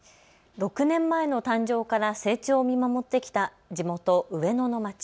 ６年前の誕生から成長を見守ってきた地元、上野の街。